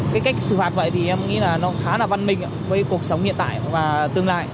cái cách xử phạt vậy thì em nghĩ là nó khá là văn minh với cuộc sống hiện tại và tương lai